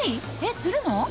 えっ釣るの？